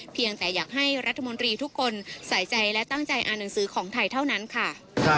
เพียงแต่อยากให้รัฐมนตรีทุกคนใส่ใจและตั้งใจอ่านหนังสือของไทยเท่านั้นค่ะ